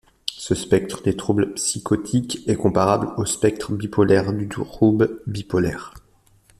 Ce spectre des troubles psychotiques est comparable au spectre bipolaire du trouble bipolaire.